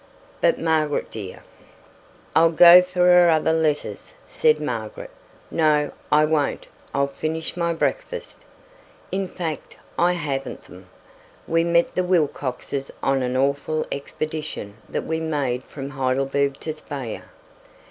"But Margaret dear " "I'll go for her other letters," said Margaret. "No, I won't, I'll finish my breakfast. In fact, I haven't them. We met the Wilcoxes on an awful expedition that we made from Heidelberg to Speyer.